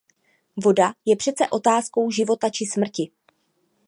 Voda je přece otázkou života či smrti.